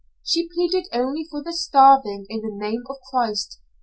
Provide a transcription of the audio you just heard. She pleaded only for the starving in the name of Christ.